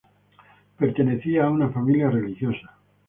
Pertenecía a una familia religiosa.